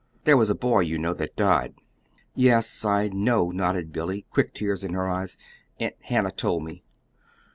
There was a boy, you know, that died." "Yes, I know," nodded Billy, quick tears in her eyes. "Aunt Hannah told me."